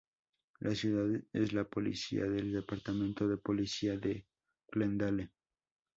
La ciudad es la policía del Departamento de Policía de Glendale.